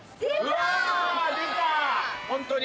うわぁ出た！